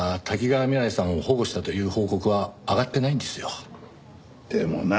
多岐川未来さんを保護したという報告は上がってないんですよ。